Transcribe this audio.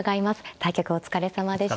対局お疲れさまでした。